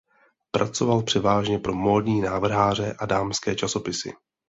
Pracoval převážně pro módní návrháře a dámské časopisy.